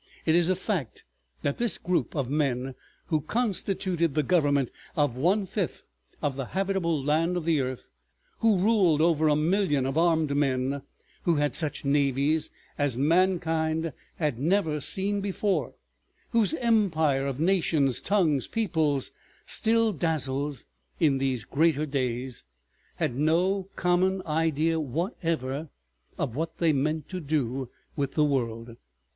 It is a fact that this group of men who constituted the Government of one fifth of the habitable land of the earth, who ruled over a million of armed men, who had such navies as mankind had never seen before, whose empire of nations, tongues, peoples still dazzles in these greater days, had no common idea whatever of what they meant to do with the world.